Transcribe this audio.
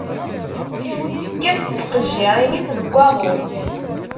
Tekkat s tqejjirin-is deg waḍu.